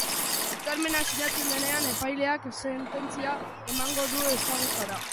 Hitzarmena sinatzen denean, epaileak sententzia emango du ezagutara.